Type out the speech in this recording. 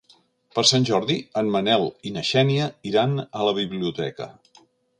Per Sant Jordi en Manel i na Xènia iran a la biblioteca.